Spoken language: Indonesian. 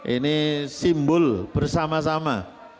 ini simbol bersama sama